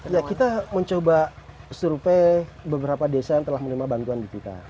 ya kita mencoba survei beberapa desa yang telah menerima bantuan di kita